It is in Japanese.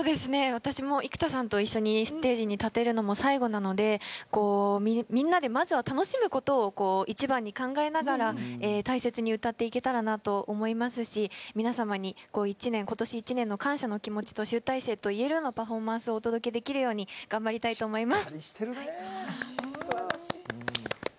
私も生田さんと一緒にステージに立てるのも最後なのでみんなで、まずは楽しむことを一番に考えながら大切に歌っていけたらなと思いますし、皆様に今年１年の感謝の気持ちと集大成といえるようなパフォーマンスをお届けできるように頑張りたいと思います。